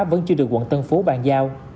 vẫn chưa được quận tân phú bàn giao